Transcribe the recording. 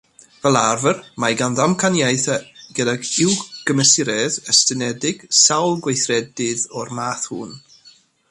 Fel arfer, mae gan ddamcaniaethau gydag uwch-gymesuredd estynedig sawl gweithredydd o'r math hwn.